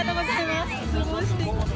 すごくすてき。